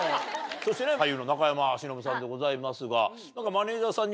そしてね俳優の中山忍さんでございますが。